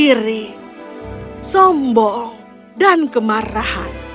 iri sombong dan kemarahan